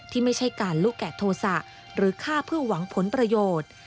ที่ไม่ใช่การลุแกะโทษะหรือฆ่าเพื่อหวังผลประโยชน์